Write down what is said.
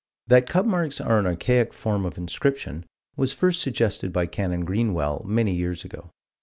That cup marks are an archaic form of inscription was first suggested by Canon Greenwell many years ago.